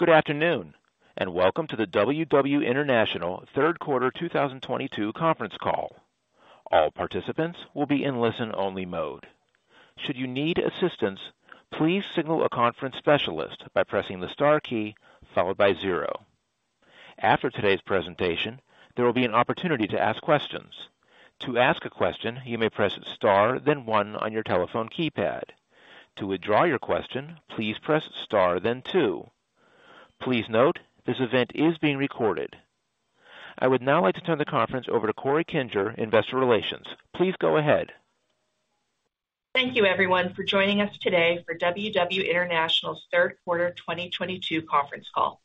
Good afternoon, and welcome to the WW International Q3 2022 Conference Call. All participants will be in listen-only mode. Should you need assistance, please signal a conference specialist by pressing the star key followed by zero. After today's presentation, there will be an opportunity to ask questions. To ask a question, you may press star then one on your telephone keypad. To withdraw your question, please press star then two. Please note, this event is being recorded. I would now like to turn the conference over to Corey Kinger, Investor Relations. Please go ahead. Thank you everyone for joining us today for WW International's Q3 2022 Conference Call.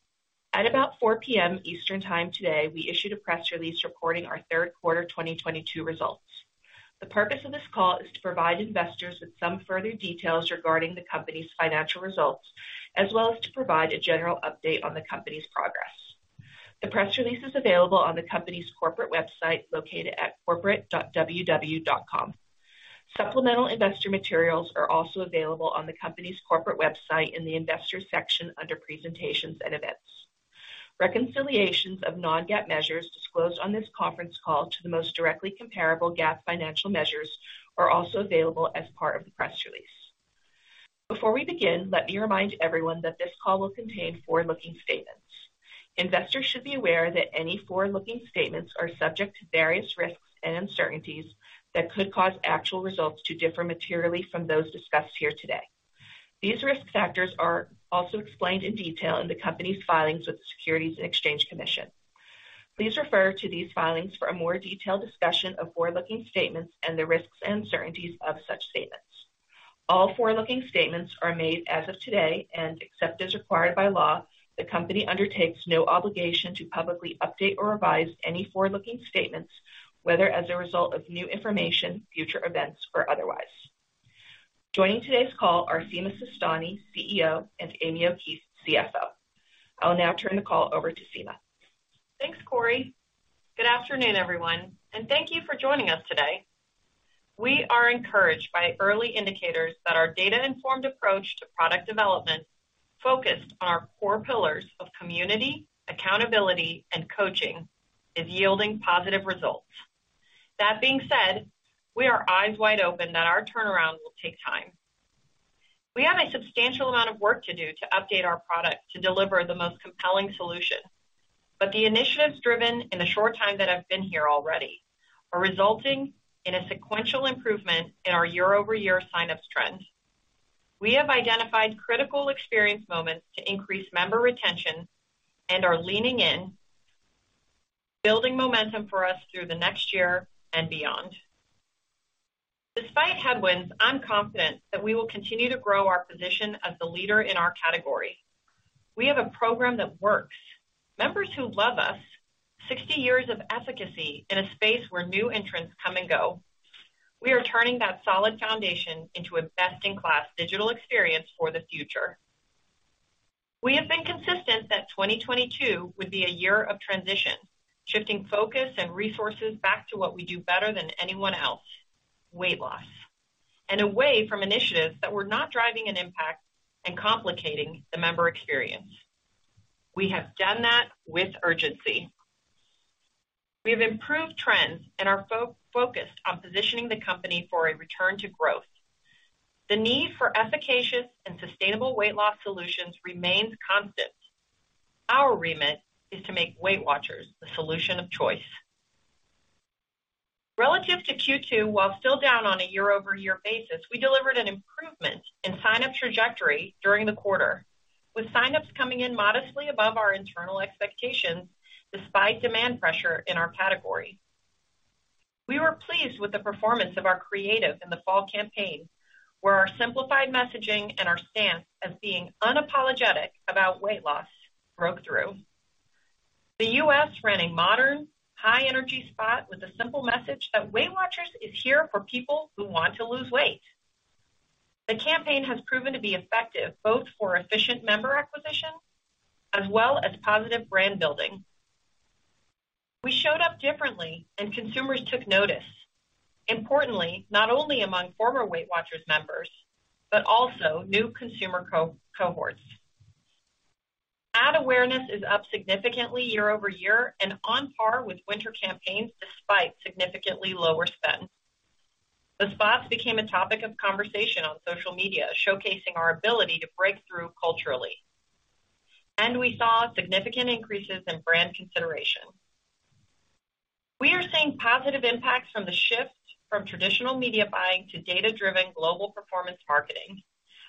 At about 4:00 PM Eastern Time today, we issued a press release reporting our Q3 2022 results. The purpose of this call is to provide investors with some further details regarding the company's financial results, as well as to provide a general update on the company's progress. The press release is available on the company's corporate website, located at corporate.ww.com. Supplemental investor materials are also available on the company's corporate website in the Investors section under Presentations and Events. Reconciliations of non-GAAP measures disclosed on this conference call to the most directly comparable GAAP financial measures are also available as part of the press release. Before we begin, let me remind everyone that this call will contain forward-looking statements. Investors should be aware that any forward-looking statements are subject to various risks and uncertainties that could cause actual results to differ materially from those discussed here today. These risk factors are also explained in detail in the company's filings with the Securities and Exchange Commission. Please refer to these filings for a more detailed discussion of forward-looking statements and the risks and uncertainties of such statements. All forward-looking statements are made as of today, and except as required by law, the Company undertakes no obligation to publicly update or revise any forward-looking statements, whether as a result of new information, future events, or otherwise. Joining today's call are Sima Sistani, CEO, and Amy O'Keefe, CFO. I'll now turn the call over to Sima. Thanks, Corey. Good afternoon, everyone, and thank you for joining us today. We are encouraged by early indicators that our data-informed approach to product development, focused on our core pillars of community, accountability and coaching, is yielding positive results. That being said, we are eyes wide open that our turnaround will take time. We have a substantial amount of work to do to update our product to deliver the most compelling solution. The initiatives driven in the short time that I've been here already are resulting in a sequential improvement in our year-over-year sign-ups trends. We have identified critical experience moments to increase member retention and are leaning in, building momentum for us through the next year and beyond. Despite headwinds, I'm confident that we will continue to grow our position as the leader in our category. We have a program that works. Members who love us, 60 years of efficacy in a space where new entrants come and go. We are turning that solid foundation into a best-in-class digital experience for the future. We have been consistent that 2022 would be a year of transition, shifting focus and resources back to what we do better than anyone else, weight loss, and away from initiatives that were not driving an impact and complicating the member experience. We have done that with urgency. We have improved trends and are focused on positioning the company for a return to growth. The need for efficacious and sustainable weight loss solutions remains constant. Our remit is to make Weight Watchers the solution of choice. Relative to Q2, while still down on a year-over-year basis, we delivered an improvement in sign-up trajectory during the quarter, with sign-ups coming in modestly above our internal expectations despite demand pressure in our category. We were pleased with the performance of our creative in the fall campaign, where our simplified messaging and our stance as being unapologetic about weight loss broke through. The US ran a modern, high energy spot with a simple message that Weight Watchers is here for people who want to lose weight. The campaign has proven to be effective, both for efficient member acquisition as well as positive brand building. We showed up differently and consumers took notice. Importantly, not only among former Weight Watchers members, but also new consumer cohorts. Ad awareness is up significantly year-over-year and on par with winter campaigns, despite significantly lower spend. The spots became a topic of conversation on social media, showcasing our ability to break through culturally. We saw significant increases in brand consideration. We are seeing positive impacts from the shift from traditional media buying to data-driven global performance marketing.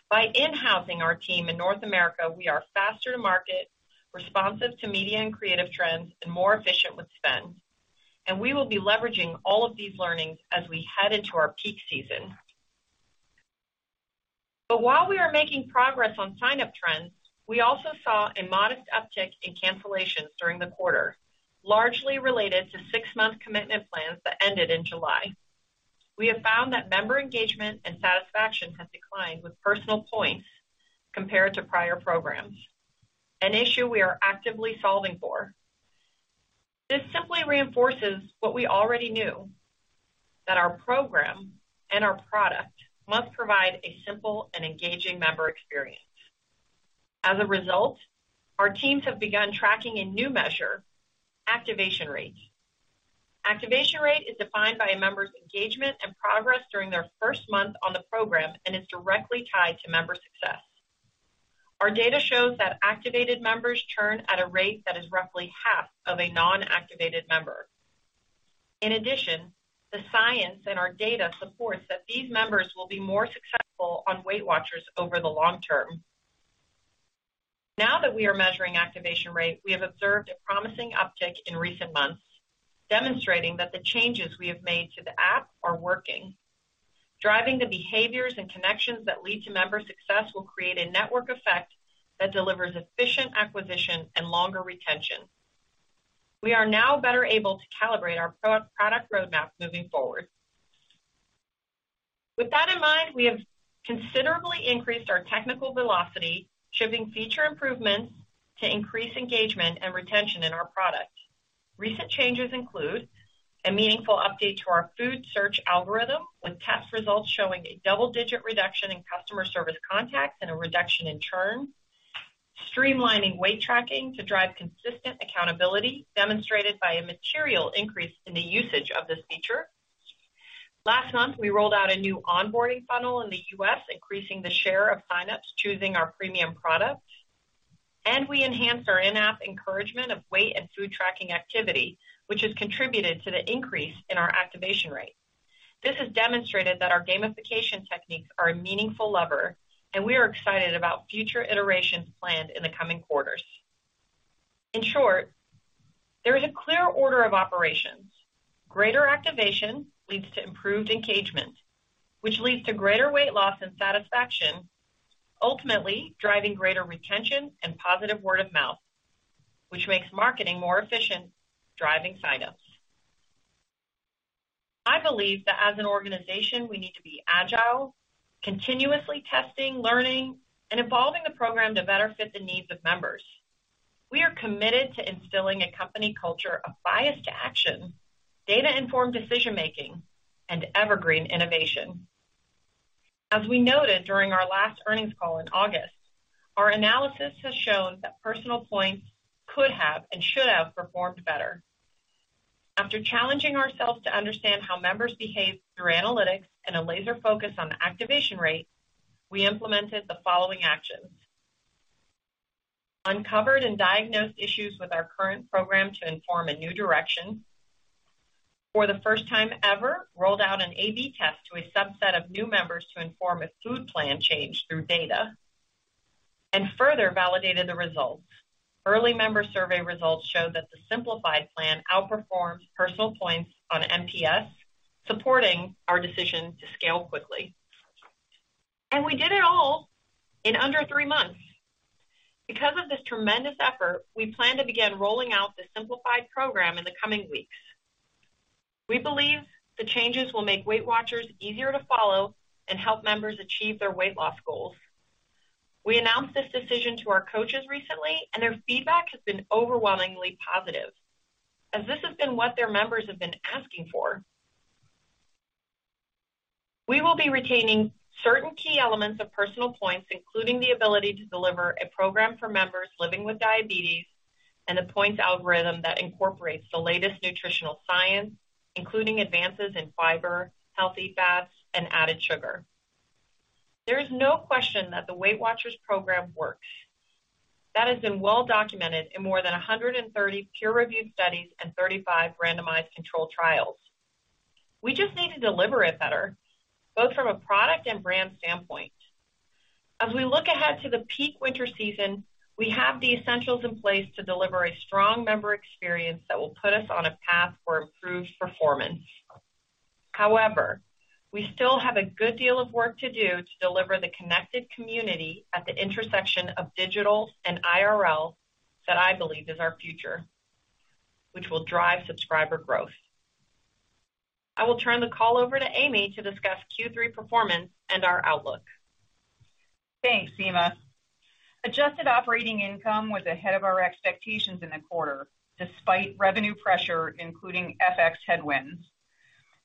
By in-housing our team in North America, we are faster to market, responsive to media and creative trends, and more efficient with spend. We will be leveraging all of these learnings as we head into our peak season. While we are making progress on sign-up trends, we also saw a modest uptick in cancellations during the quarter, largely related to six-month commitment plans that ended in July. We have found that member engagement and satisfaction have declined with PersonalPoints compared to prior programs, an issue we are actively solving for. This simply reinforces what we already knew, that our program and our product must provide a simple and engaging member experience. As a result, our teams have begun tracking a new measure, activation rates. Activation rate is defined by a member's engagement and progress during their first month on the program and is directly tied to member success. Our data shows that activated members churn at a rate that is roughly half of a non-activated member. In addition, the science and our data supports that these members will be more successful on Weight Watchers over the long term. Now that we are measuring activation rate, we have observed a promising uptick in recent months, demonstrating that the changes we have made to the app are working. Driving the behaviors and connections that lead to member success will create a network effect that delivers efficient acquisition and longer retention. We are now better able to calibrate our product roadmap moving forward. With that in mind, we have considerably increased our technical velocity, shipping feature improvements to increase engagement and retention in our product. Recent changes include a meaningful update to our food search algorithm, with test results showing a double-digit reduction in customer service contacts and a reduction in churn. Streamlining weight tracking to drive consistent accountability, demonstrated by a material increase in the usage of this feature. Last month, we rolled out a new onboarding funnel in the US, increasing the share of sign-ups choosing our premium product. We enhanced our in-app encouragement of weight and food tracking activity, which has contributed to the increase in our activation rate. This has demonstrated that our gamification techniques are a meaningful lever, and we are excited about future iterations planned in the coming quarters. In short, there is a clear order of operations. Greater activation leads to improved engagement, which leads to greater weight loss and satisfaction, ultimately driving greater retention and positive word of mouth, which makes marketing more efficient, driving sign-ups. I believe that as an organization, we need to be agile, continuously testing, learning, and evolving the program to better fit the needs of members. We are committed to instilling a company culture of bias to action, data-informed decision-making, and evergreen innovation. As we noted during our last earnings call in August, our analysis has shown that PersonalPoints could have and should have performed better. After challenging ourselves to understand how members behave through analytics and a laser focus on the activation rate, we implemented the following actions. Uncovered and diagnosed issues with our current program to inform a new direction. For the first time ever, rolled out an A/B test to a subset of new members to inform a food plan change through data, and further validated the results. Early member survey results show that the simplified plan outperforms PersonalPoints on NPS, supporting our decision to scale quickly. We did it all in under 3 months. Because of this tremendous effort, we plan to begin rolling out the simplified program in the coming weeks. We believe the changes will make Weight Watchers easier to follow and help members achieve their weight loss goals. We announced this decision to our coaches recently, and their feedback has been overwhelmingly positive, as this has been what their members have been asking for. We will be retaining certain key elements of PersonalPoints, including the ability to deliver a program for members living with diabetes and a points algorithm that incorporates the latest nutritional science, including advances in fiber, healthy fats, and added sugar. There is no question that the Weight Watchers program works. That has been well documented in more than 130 peer-reviewed studies and 35 randomized controlled trials. We just need to deliver it better, both from a product and brand standpoint. As we look ahead to the peak winter season, we have the essentials in place to deliver a strong member experience that will put us on a path for improved performance. However, we still have a good deal of work to do to deliver the connected community at the intersection of digital and IRL that I believe is our future, which will drive subscriber growth. I will turn the call over to Amy to discuss Q3 performance and our outlook. Thanks, Sima. Adjusted operating income was ahead of our expectations in the quarter, despite revenue pressure, including FX headwinds.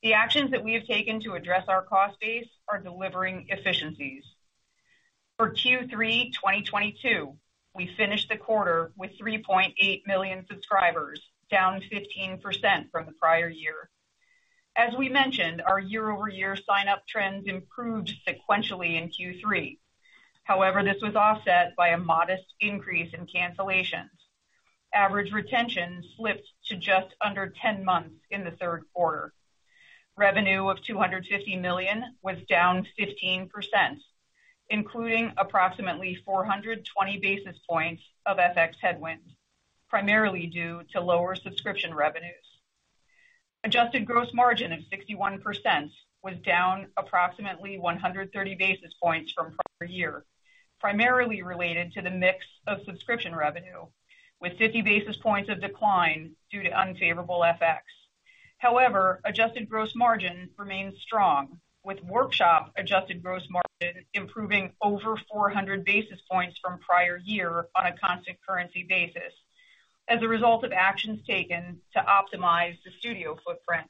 The actions that we have taken to address our cost base are delivering efficiencies. For Q3 2022, we finished the quarter with 3.8 million subscribers, down 15% from the prior year. As we mentioned, our year-over-year sign-up trends improved sequentially in Q3. However, this was offset by a modest increase in cancellations. Average retention slipped to just under 10 months in the Q3. Revenue of $250 million was down 15%, including approximately 420 basis points of FX headwinds, primarily due to lower subscription revenues. Adjusted gross margin of 61% was down approximately 130 basis points from prior year, primarily related to the mix of subscription revenue, with 50 basis points of decline due to unfavorable FX. However, adjusted gross margin remains strong, with workshop adjusted gross margin improving over 400 basis points from prior year on a constant currency basis as a result of actions taken to optimize the studio footprint.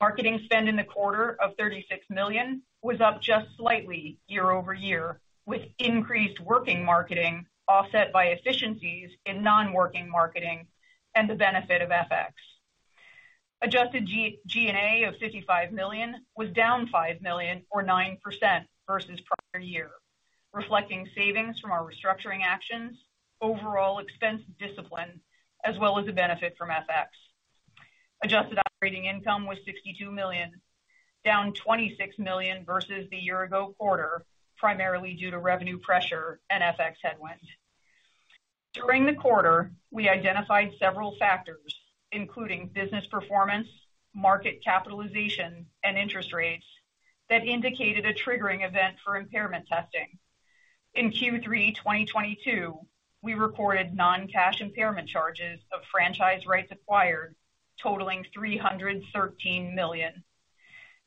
Marketing spend in the quarter of $36 million was up just slightly year-over-year, with increased working marketing offset by efficiencies in non-working marketing and the benefit of FX. Adjusted G&A of $55 million was down $5 million or 9% versus prior year, reflecting savings from our restructuring actions, overall expense discipline, as well as the benefit from FX. Adjusted operating income was $62 million, down $26 million versus the year-ago quarter, primarily due to revenue pressure and FX headwinds. During the quarter, we identified several factors, including business performance, market capitalization, and interest rates that indicated a triggering event for impairment testing. In Q3 2022, we recorded non-cash impairment charges of franchise rights acquired totaling $313 million.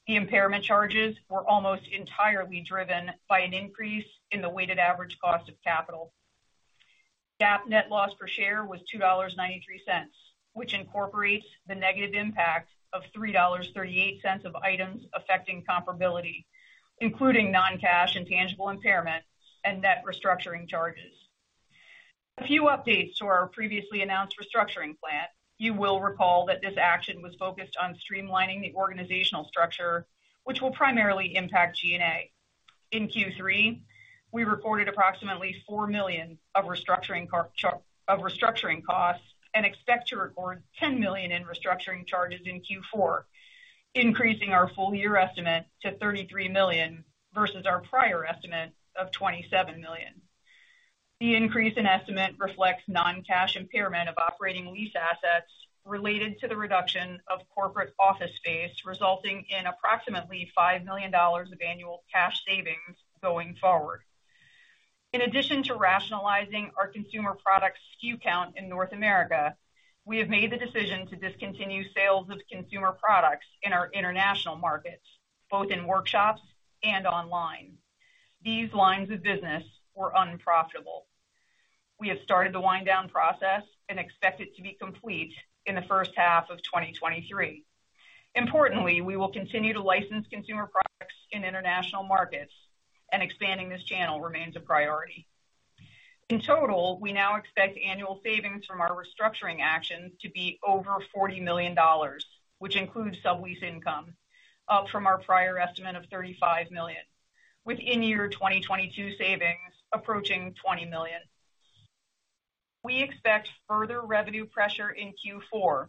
The impairment charges were almost entirely driven by an increase in the weighted average cost of capital. GAAP net loss per share was $2.93, which incorporates the negative impact of $3.38 of items affecting comparability, including non-cash and intangible impairment and net restructuring charges. A few updates to our previously announced restructuring plan. You will recall that this action was focused on streamlining the organizational structure, which will primarily impact G&A. In Q3, we reported approximately $4 million of restructuring costs and expect to record $10 million in restructuring charges in Q4, increasing our full-year estimate to $33 million versus our prior estimate of $27 million. The increase in estimate reflects non-cash impairment of operating lease assets related to the reduction of corporate office space, resulting in approximately $5 million of annual cash savings going forward. In addition to rationalizing our consumer product SKU count in North America, we have made the decision to discontinue sales of consumer products in our international markets, both in workshops and online. These lines of business were unprofitable. We have started the wind down process and expect it to be complete in the H1 of 2023. Importantly, we will continue to license consumer products in international markets, and expanding this channel remains a priority. In total, we now expect annual savings from our restructuring actions to be over $40 million, which includes sublease income up from our prior estimate of $35 million, with in year 2022 savings approaching $20 million. We expect further revenue pressure in Q4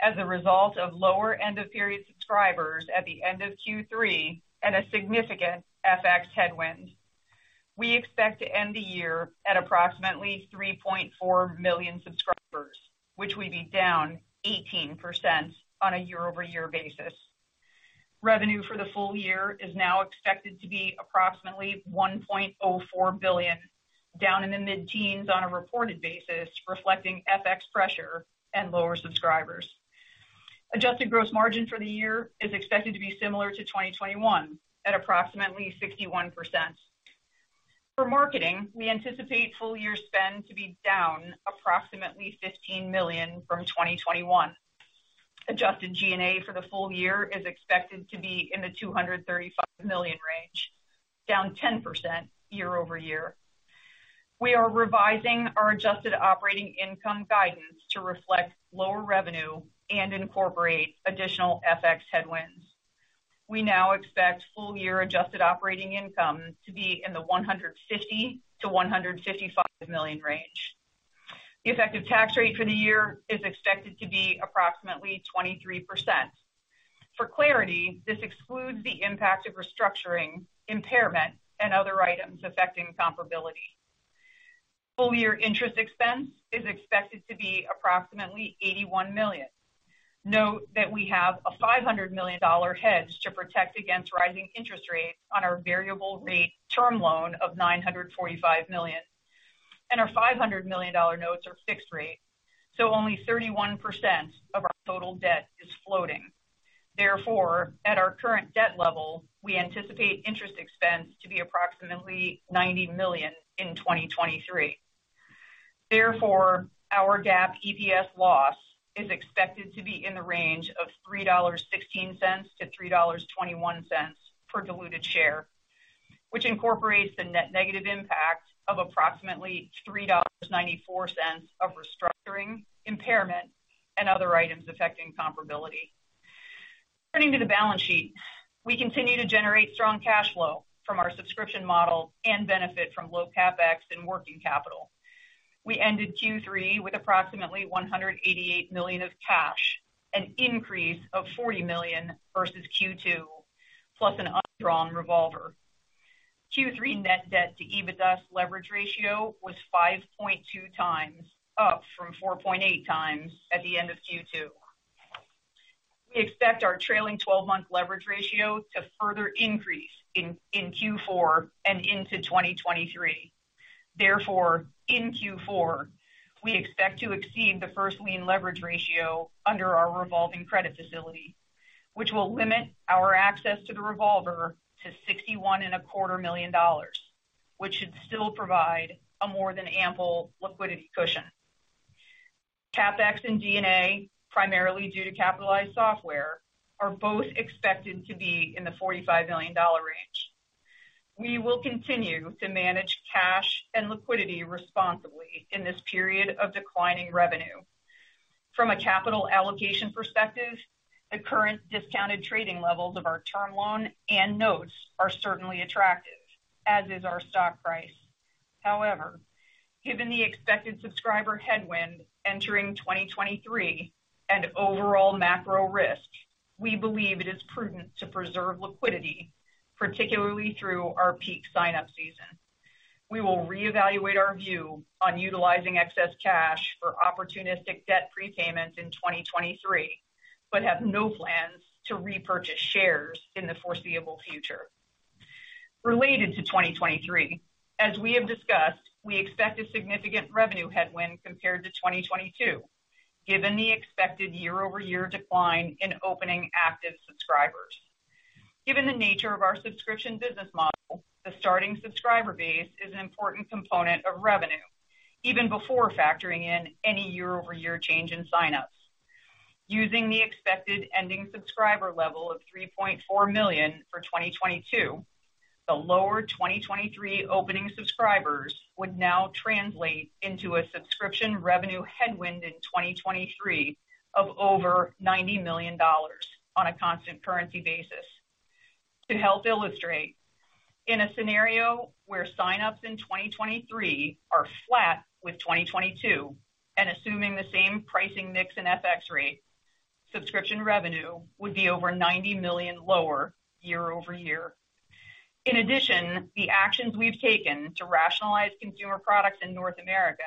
as a result of lower end of period subscribers at the end of Q3 and a significant FX headwind. We expect to end the year at approximately 3.4 million subscribers, which will be down 18% on a year-over-year basis. Revenue for the full year is now expected to be approximately $1.04 billion, down in the mid-teens on a reported basis, reflecting FX pressure and lower subscribers. Adjusted gross margin for the year is expected to be similar to 2021 at approximately 61%. For marketing, we anticipate full year spend to be down approximately $15 million from 2021. Adjusted G&A for the full year is expected to be in the $235 million range, down 10% year-over-year. We are revising our adjusted operating income guidance to reflect lower revenue and incorporate additional FX headwinds. We now expect full-year adjusted operating income to be in the $150 to 155 million range. The effective tax rate for the year is expected to be approximately 23%. For clarity, this excludes the impact of restructuring, impairment, and other items affecting comparability. Full-year interest expense is expected to be approximately $81 million. Note that we have a $500 million hedge to protect against rising interest rates on our variable rate term loan of $945 million, and our $500 million notes are fixed rate, so only 31% of our total debt is floating. Therefore, at our current debt level, we anticipate interest expense to be approximately $90 million in 2023. Therefore, our GAAP EPS loss is expected to be in the range of $3.16 to 3.21 per diluted share, which incorporates the net negative impact of approximately $3.94 of restructuring, impairment, and other items affecting comparability. Turning to the balance sheet. We continue to generate strong cash flow from our subscription model and benefit from low CapEx and working capital. We ended Q3 with approximately $188 million of cash, an increase of $40 million versus Q2, plus an undrawn revolver. Q3 net debt to EBITDA leverage ratio was 5.2x, up from 4.8x at the end of Q2. We expect our trailing 12-month leverage ratio to further increase in Q4 and into 2023. Therefore, in Q4, we expect to exceed the first lien leverage ratio under our revolving credit facility, which will limit our access to the revolver to $61 and a quarter million dollars, which should still provide a more than ample liquidity cushion. CapEx and G&A, primarily due to capitalized software, are both expected to be in the $45 million range. We will continue to manage cash and liquidity responsibly in this period of declining revenue. From a capital allocation perspective, the current discounted trading levels of our term loan and notes are certainly attractive, as is our stock price. However, given the expected subscriber headwind entering 2023 and overall macro risk, we believe it is prudent to preserve liquidity, particularly through our peak sign-up season. We will reevaluate our view on utilizing excess cash for opportunistic debt prepayments in 2023, but have no plans to repurchase shares in the foreseeable future. Related to 2023, as we have discussed, we expect a significant revenue headwind compared to 2022, given the expected year-over-year decline in opening active subscribers. Given the nature of our subscription business model, the starting subscriber base is an important component of revenue even before factoring in any year-over-year change in sign-ups. Using the expected ending subscriber level of 3.4 million for 2022, the lower 2023 opening subscribers would now translate into a subscription revenue headwind in 2023 of over $90 million on a constant currency basis. To help illustrate, in a scenario where sign-ups in 2023 are flat with 2022 and assuming the same pricing mix and FX rate, subscription revenue would be over $90 million lower year-over-year. In addition, the actions we've taken to rationalize consumer products in North America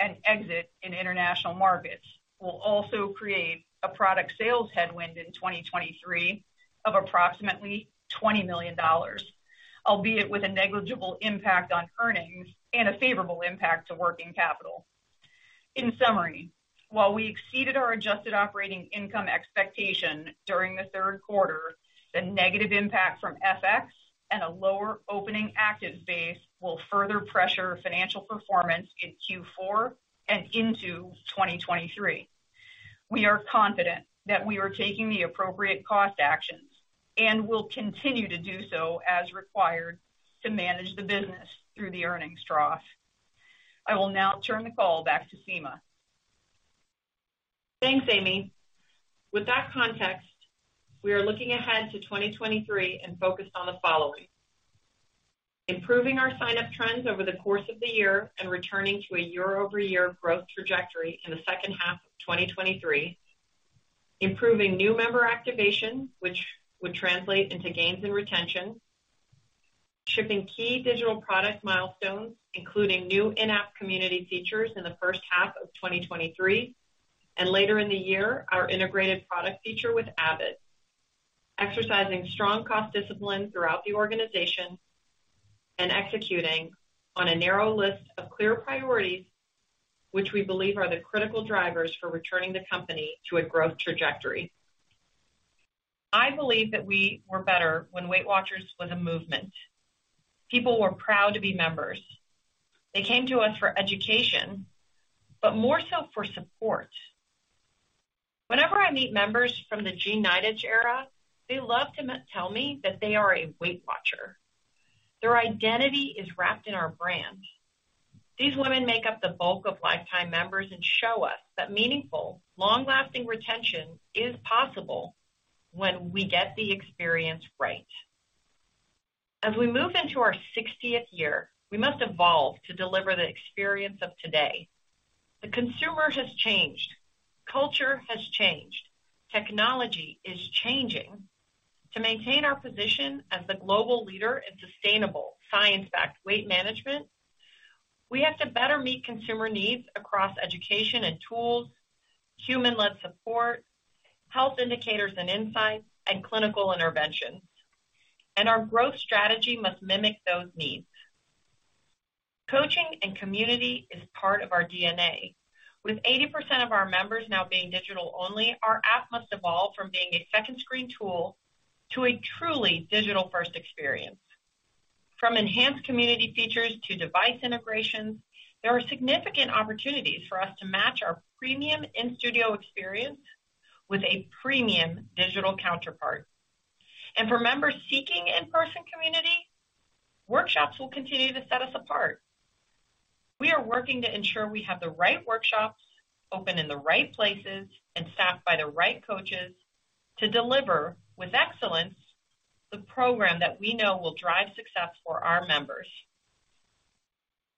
and exit in international markets will also create a product sales headwind in 2023 of approximately $20 million, albeit with a negligible impact on earnings and a favorable impact to working capital. In summary, while we exceeded our adjusted operating income expectation during the Q3, the negative impact from FX and a lower opening active base will further pressure financial performance in Q4 and into 2023. We are confident that we are taking the appropriate cost actions and will continue to do so as required to manage the business through the earnings trough. I will now turn the call back to Sima. Thanks, Amy. With that context, we are looking ahead to 2023 and focused on the following. Improving our sign-up trends over the course of the year and returning to a year-over-year growth trajectory in the H2 of 2023. Improving new member activation, which would translate into gains and retention. Shipping key digital product milestones, including new in-app community features in the H1 of 2023, and later in the year, our integrated product feature with Abbott. Exercising strong cost discipline throughout the organization and executing on a narrow list of clear priorities, which we believe are the critical drivers for returning the company to a growth trajectory. I believe that we were better when Weight Watchers was a movement. People were proud to be members. They came to us for education, but more so for support. Whenever I meet members from the Jean Nidetch era, they love to tell me that they are a Weight Watchers. Their identity is wrapped in our brand. These women make up the bulk of lifetime members and show us that meaningful, long-lasting retention is possible when we get the experience right. As we move into our sixtieth year, we must evolve to deliver the experience of today. The consumer has changed. Culture has changed. Technology is changing. To maintain our position as the global leader in sustainable science-backed weight management, we have to better meet consumer needs across education and tools, human-led support, health indicators and insights, and clinical interventions. Our growth strategy must mimic those needs. Coaching and community is part of our DNA. With 80% of our members now being digital-only, our app must evolve from being a second screen tool to a truly digital-first experience. From enhanced community features to device integrations, there are significant opportunities for us to match our premium in-studio experience with a premium digital counterpart. For members seeking in-person community, workshops will continue to set us apart. We are working to ensure we have the right workshops open in the right places and staffed by the right coaches to deliver, with excellence, the program that we know will drive success for our members.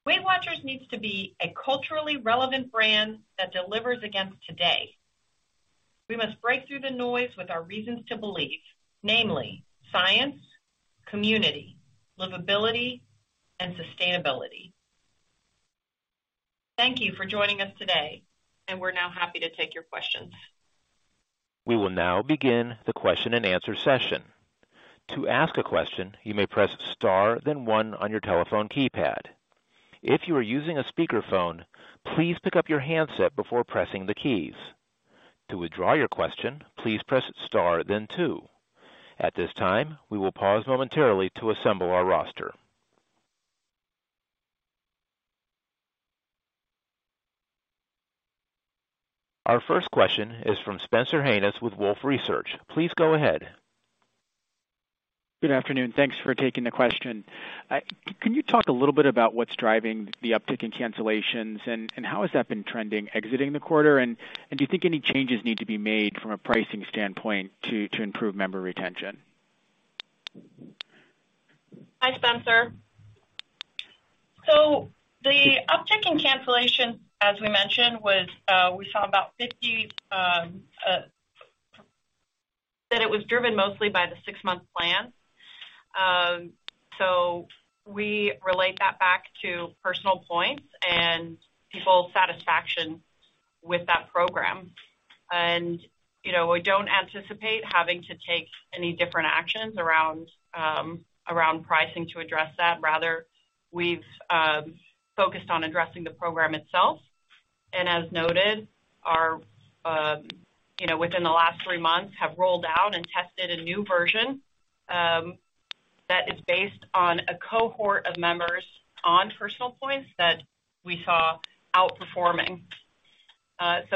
Weight Watchers needs to be a culturally relevant brand that delivers against today. We must break through the noise with our reasons to believe, namely science, community, livability, and sustainability. Thank you for joining us today, and we're now happy to take your questions. We will now begin the question and answer session. To ask a question, you may press Star then on your telephone keypad. If you are using a speakerphone, please pick up your handset before pressing the keys. To withdraw your question, please press Star then two. At this time, we will pause momentarily to assemble our roster. Our first question is from Spencer Hanus with Wolfe Research. Please go ahead. Good afternoon. Thanks for taking the question. Can you talk a little bit about what's driving the uptick in cancellations? How has that been trending exiting the quarter? Do you think any changes need to be made from a pricing standpoint to improve member retention? Hi, Spencer Hanus. The uptick in cancellations, as we mentioned, was about 50%, driven mostly by the six-month plan. We relate that back to PersonalPoints and people's satisfaction with that program. You know, we don't anticipate having to take any different actions around pricing to address that. Rather, we've focused on addressing the program itself. As noted, you know, within the last 3 months we have rolled out and tested a new version that is based on a cohort of members on PersonalPoints that we saw outperforming.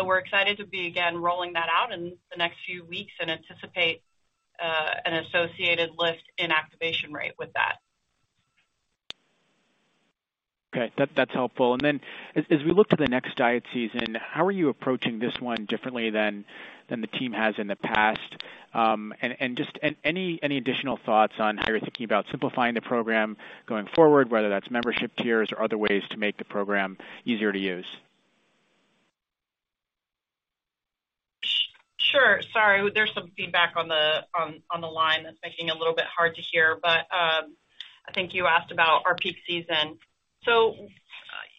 We're excited to be again rolling that out in the next few weeks and anticipate an associated lift in activation rate with that. Okay, that's helpful. As we look to the next diet season, how are you approaching this one differently than the team has in the past? Just any additional thoughts on how you're thinking about simplifying the program going forward, whether that's membership tiers or other ways to make the program easier to use? Sure. Sorry, there's some feedback on the line that's making it a little bit hard to hear. I think you asked about our peak season.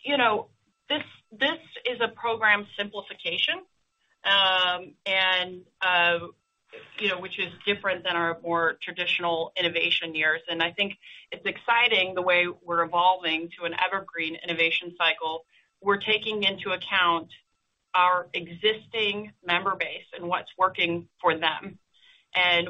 You know, this is a program simplification, and you know which is different than our more traditional innovation years. I think it's exciting the way we're evolving to an evergreen innovation cycle. We're taking into account our existing member base and what's working for them.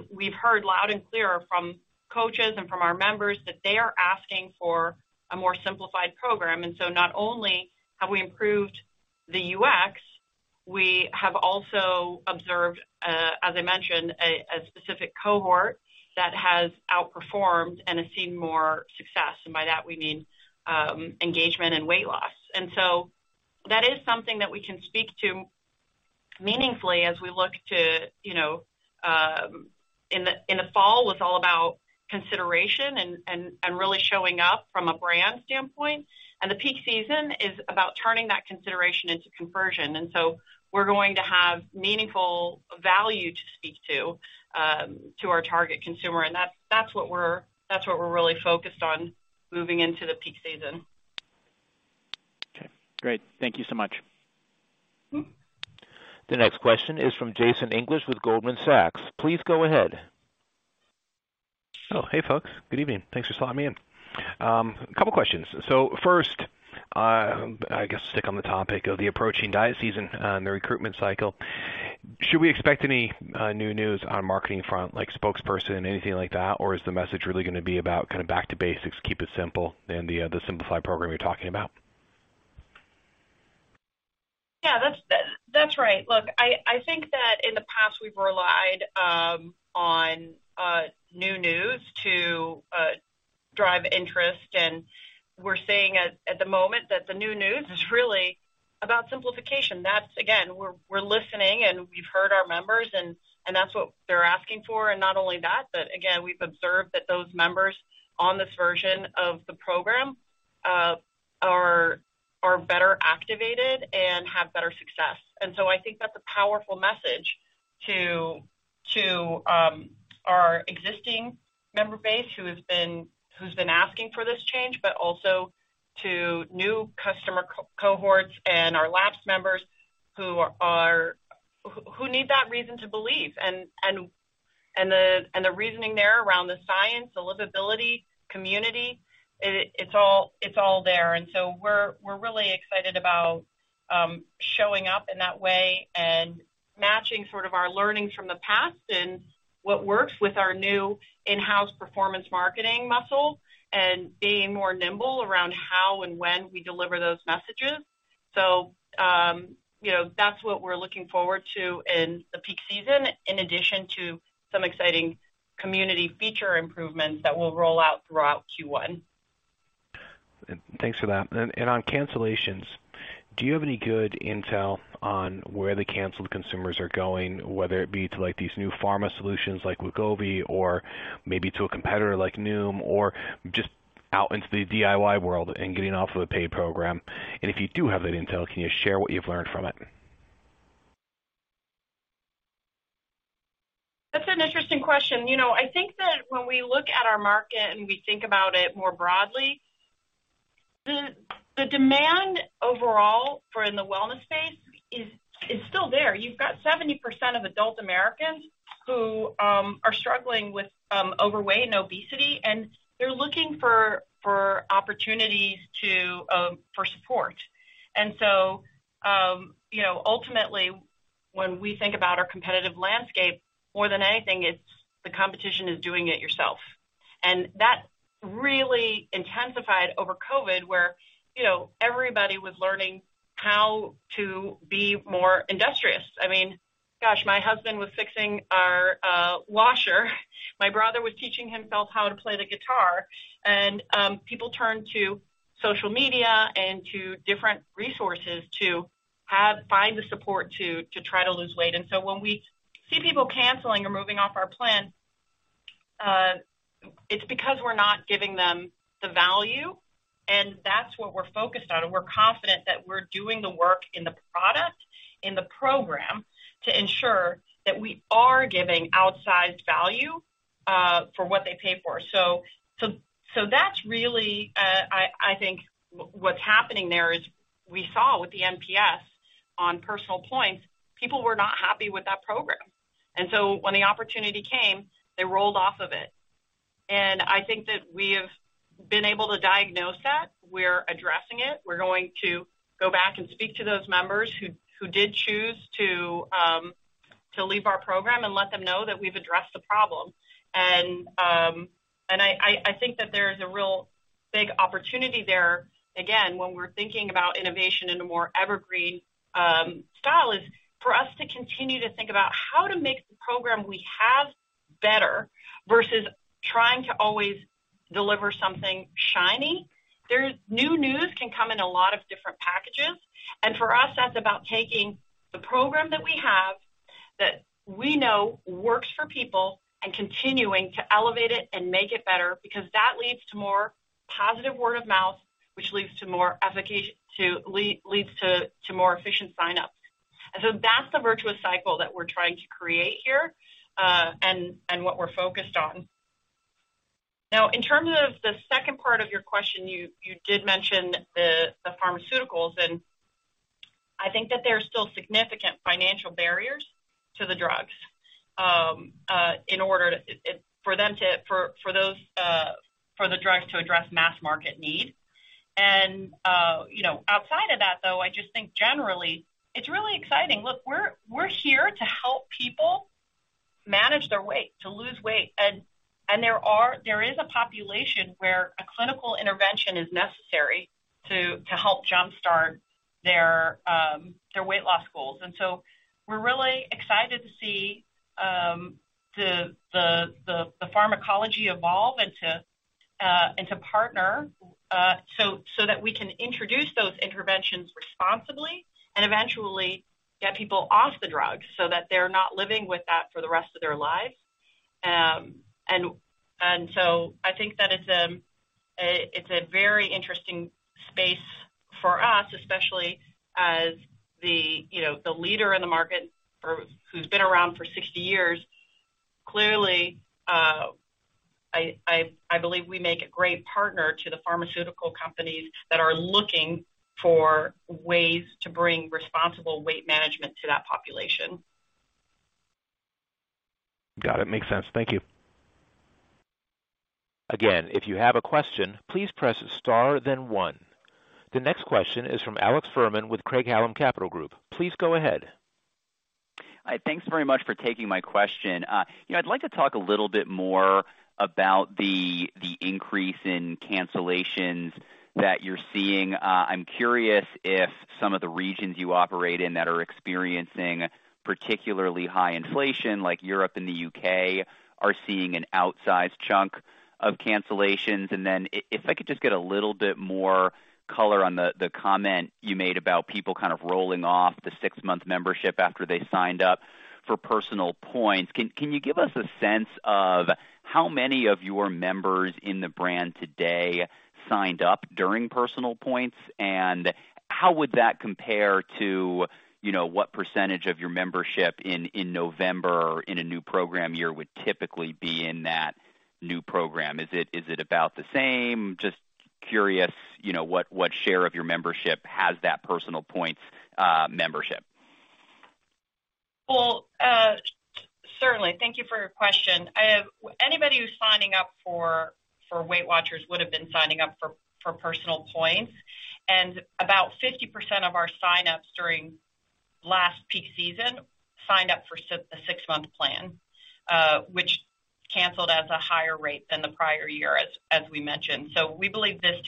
We've heard loud and clear from coaches and from our members that they are asking for a more simplified program. Not only have we improved the UX, we have also observed, as I mentioned, a specific cohort that has outperformed and has seen more success. By that we mean engagement and weight loss. That is something that we can speak to meaningfully as we look to, you know, in the fall was all about consideration and really showing up from a brand standpoint. The peak season is about turning that consideration into conversion. We're going to have meaningful value to speak to our target consumer. That's what we're really focused on moving into the peak season. Okay, great. Thank you so much. The next question is from Jason English with Goldman Sachs. Please go ahead. Oh, hey, folks. Good evening. Thanks for slotting me in. A couple questions. First, I guess stick on the topic of the approaching diet season and the recruitment cycle. Should we expect any new news on marketing front, like spokesperson, anything like that? Or is the message really going to be about kind of back to basics, keep it simple in the simplified program you're talking about? Yeah, that's right. Look, I think that in the past, we've relied on new news to drive interest. We're seeing at the moment that the new news is really about simplification. That's again, we're listening, and we've heard our members, and that's what they're asking for. Not only that, but again, we've observed that those members on this version of the program are better activated and have better success. I think that's a powerful message to our existing member base who's been asking for this change, but also to new customer cohorts and our lapsed members who need that reason to believe. The reasoning there around the science, the livability community, it's all there. We're really excited about showing up in that way and matching sort of our learnings from the past and what works with our new in-house performance marketing muscle and being more nimble around how and when we deliver those messages. You know, that's what we're looking forward to in the peak season, in addition to some exciting community feature improvements that we'll roll out throughout Q1. Thanks for that. On cancellations, do you have any good intel on where the canceled consumers are going, whether it be to like these new pharma solutions like Wegovy or maybe to a competitor like Noom, or just out into the DIY world and getting off of a paid program? If you do have that intel, can you share what you've learned from it? That's an interesting question. You know, I think that when we look at our market and we think about it more broadly, the demand overall for in the wellness space is still there. You've got 70% of adult Americans who are struggling with overweight and obesity, and they're looking for opportunities to for support. You know, ultimately, when we think about our competitive landscape, more than anything, it's the competition is doing it yourself. That really intensified over COVID, where you know, everybody was learning how to be more industrious. I mean, gosh, my husband was fixing our washer. My brother was teaching himself how to play the guitar. People turn to social media and to different resources to find the support to try to lose weight. When we see people canceling or moving off our plan, it's because we're not giving them the value, and that's what we're focused on. We're confident that we're doing the work in the product, in the program to ensure that we are giving outsized value for what they pay for. That's really I think what's happening there is we saw with the NPS on PersonalPoints, people were not happy with that program. When the opportunity came, they rolled off of it. I think that we have been able to diagnose that. We're addressing it. We're going to go back and speak to those members who did choose to leave our program and let them know that we've addressed the problem. I think that there's a real big opportunity there. Again, when we're thinking about innovation in a more evergreen style is for us to continue to think about how to make the program we have better versus trying to always deliver something shiny. Newness can come in a lot of different packages, and for us, that's about taking the program that we have that we know works for people and continuing to elevate it and make it better, because that leads to more positive word of mouth, which leads to more efficient sign-ups. That's the virtuous cycle that we're trying to create here, what we're focused on. Now, in terms of the second part of your question, you did mention the pharmaceuticals, and I think that there are still significant financial barriers to the drugs in order for the drugs to address mass market need. You know, outside of that, though, I just think generally it's really exciting. Look, we're here to help people manage their weight, to lose weight. There is a population where a clinical intervention is necessary to help jumpstart their weight loss goals. We're really excited to see the pharmacology evolve and to partner so that we can introduce those interventions responsibly and eventually get people off the drugs so that they're not living with that for the rest of their lives. I think that it's a very interesting space for us, especially as you know the leader in the market who's been around for 60 years. Clearly, I believe we make a great partner to the pharmaceutical companies that are looking for ways to bring responsible weight management to that population. Got it. Makes sense. Thank you. Again, if you have a question, please press star then one. The next question is from Alex Fuhrman with Craig-Hallum Capital Group. Please go ahead. Hi. Thanks very much for taking my question. You know, I'd like to talk a little bit more about the increase in cancellations that you're seeing. I'm curious if some of the regions you operate in that are experiencing particularly high inflation, like Europe and the UK, are seeing an outsized chunk of cancellations. If I could just get a little bit more color on the comment you made about people kind of rolling off the six-month membership after they signed up for PersonalPoints. Can you give us a sense of how many of your members in the brand today signed up during PersonalPoints, and how would that compare to, you know, what percentage of your membership in November in a new program year would typically be in that new program? Is it about the same? Just curious, you know, what share of your membership has that PersonalPoints membership? Well, certainly. Thank you for your question. Anybody who's signing up for Weight Watchers would have been signing up for Personal Points. About 50% of our sign-ups during last peak season signed up for the six-month plan, which canceled at a higher rate than the prior year, as we mentioned. We believe this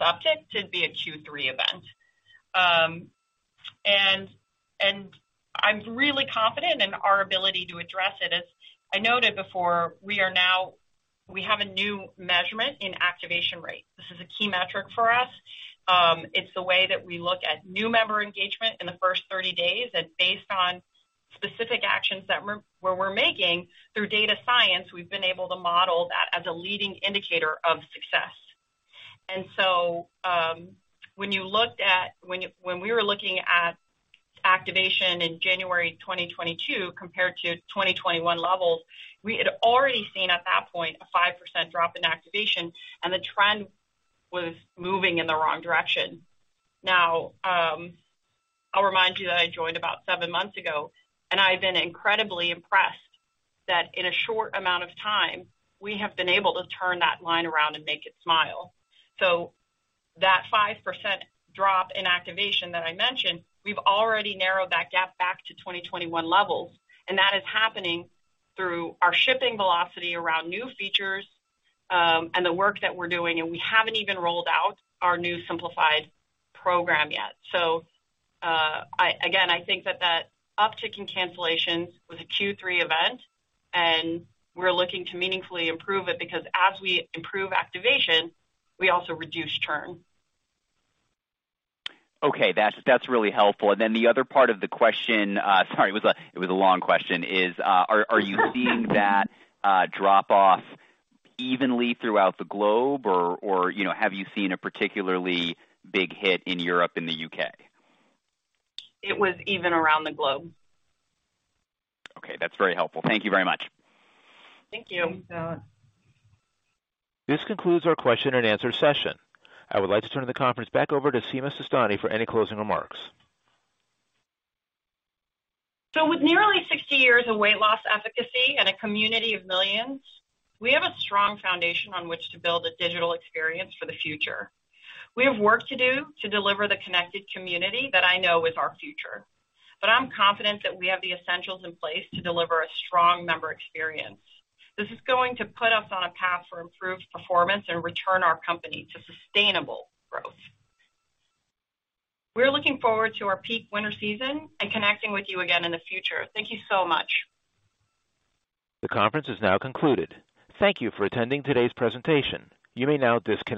uptick to be a Q3 event. I'm really confident in our ability to address it. As I noted before, we have a new measurement in activation rate. This is a key metric for us. It's the way that we look at new member engagement in the first 30 days. Based on specific actions that we're making through data science, we've been able to model that as a leading indicator of success. When we were looking at activation in January 2022 compared to 2021 levels, we had already seen at that point a 5% drop in activation, and the trend was moving in the wrong direction. I'll remind you that I joined about 7 months ago, and I've been incredibly impressed that in a short amount of time, we have been able to turn that line around and make it smile. That 5% drop in activation that I mentioned, we've already narrowed that gap back to 2021 levels, and that is happening through our shipping velocity around new features, and the work that we're doing, and we haven't even rolled out our new simplified program yet. Again, I think that uptick in cancellations was a Q3 event, and we're looking to meaningfully improve it because as we improve activation, we also reduce churn. Okay. That's really helpful. The other part of the question, sorry, it was a long question, is, are you seeing that drop-off evenly throughout the globe or, you know, have you seen a particularly big hit in Europe and the UK? It was even around the globe. Okay. That's very helpful. Thank you very much. Thank you. This concludes our question and answer session. I would like to turn the conference back over to Sima Sistani for any closing remarks. With nearly 60 years of weight loss efficacy and a community of millions, we have a strong foundation on which to build a digital experience for the future. We have work to do to deliver the connected community that I know is our future. I'm confident that we have the essentials in place to deliver a strong member experience. This is going to put us on a path for improved performance and return our company to sustainable growth. We're looking forward to our peak winter season and connecting with you again in the future. Thank you so much. The conference is now concluded. Thank you for attending today's presentation. You may now disconnect.